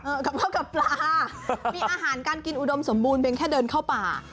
กับข้าวกับปลามีอาหารการกินอุดมสมบูรณเพียงแค่เดินเข้าป่า